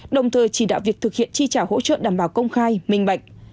đồng thời chỉ đạo việc thực hiện chi trả hỗ trợ đảm bảo công khai minh bạch